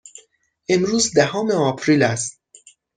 امروز دهم آپریل است.